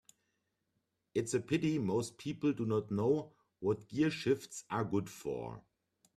It's a pity most people do not know what gearshifts are good for.